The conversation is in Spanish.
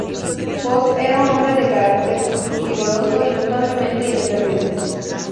Voss era un hombre de carácter vigoroso y notablemente independiente.